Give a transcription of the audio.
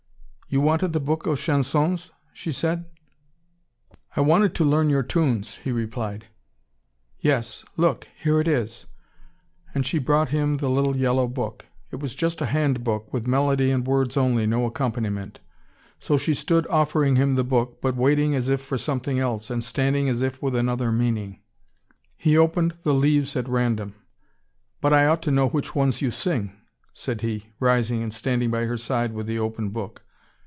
"You wanted the book of chansons?" she said. "I wanted to learn your tunes," he replied. "Yes. Look here it is!" And she brought him the little yellow book. It was just a hand book, with melody and words only, no accompaniment. So she stood offering him the book, but waiting as if for something else, and standing as if with another meaning. He opened the leaves at random. "But I ought to know which ones you sing," said he, rising and standing by her side with the open book.